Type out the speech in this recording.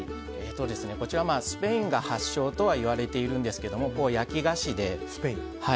こちら、スペインが発祥とは言われているんですけれども焼き菓子で。